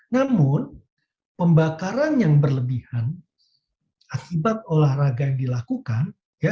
namun pembakaran yang berlebihan akibat olahraga yang dilakukan